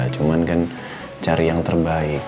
cuman kan cari yang terbaik